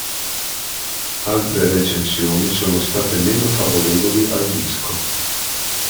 Altre recensioni sono state meno favorevoli al disco.